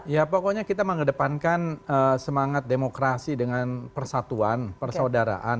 ya pokoknya kita mengedepankan semangat demokrasi dengan persatuan persaudaraan